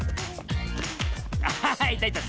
あいたいた。